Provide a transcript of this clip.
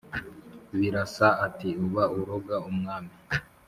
Birasa ati: "Uba uroga Umwami!